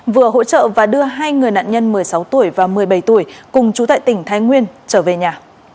vừa hỗ trợ và đưa hai người nạn nhân một mươi sáu tuổi và một mươi bảy tuổi cùng chú tại tỉnh thái nguyên trở về nhà